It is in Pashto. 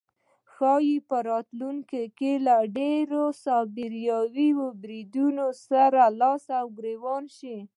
ښایي په راتلونکی کې له لا ډیرو سایبري بریدونو سره لاس او ګریوان شي